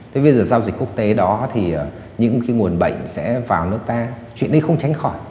thế bây giờ giao dịch quốc tế đó thì những cái nguồn bệnh sẽ vào nước ta chuyện đi không tránh khỏi